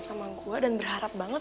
sama gua dan berharap banget